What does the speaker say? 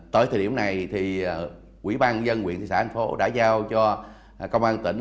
tới thời điểm này quỹ ban dân quyền thị xã thành phố đã giao cho công an tỉnh